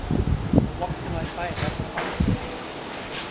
But what can I say about the sunset?